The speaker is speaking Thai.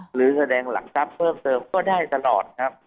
หรือแสดงหลักทรัพย์เพิ่มเติมก็ได้ตลอดครับ